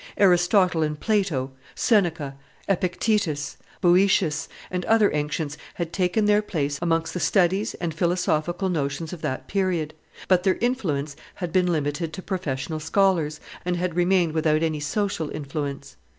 Aristotle and Plato, Seneca, Epictetus, Boetius, and other ancients had taken their place amongst the studies and philosophical notions of that period; but their influence had been limited to professional scholars, and had remained without any social influence.